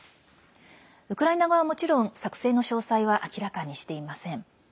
ウクライナ側はもちろん作戦の詳細は明らかにしていません。